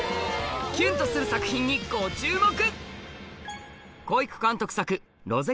キュンとする作品にご注目！